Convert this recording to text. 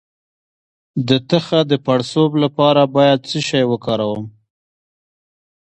د تخه د پړسوب لپاره باید څه شی وکاروم؟